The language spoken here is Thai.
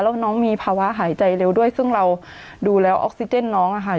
แล้วน้องมีภาวะหายใจเร็วด้วยซึ่งเราดูแล้วออกซิเจนน้องอะค่ะ